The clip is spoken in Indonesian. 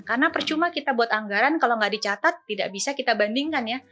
karena percuma kita buat anggaran kalau tidak dicatat tidak bisa kita bandingkan ya